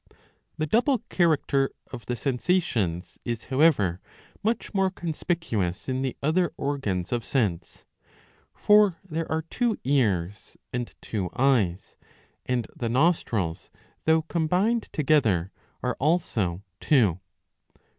^' The double character of the sensations is however much more conspicuous in the other organs of sense. For there are two ears and two eyes, and the nostrils, though combined together, are also two.